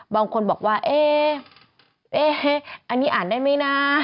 บางคนบอกว่าเอ๊ะเอ๊ะอันนี้อ่านได้มั้ยนะ